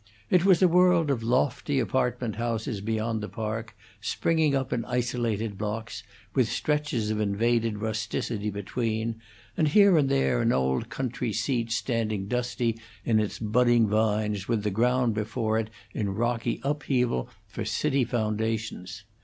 It was a world of lofty apartment houses beyond the Park, springing up in isolated blocks, with stretches of invaded rusticity between, and here and there an old country seat standing dusty in its budding vines with the ground before it in rocky upheaval for city foundations.